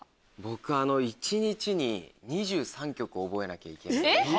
僕一日に２３曲覚えなきゃいけない。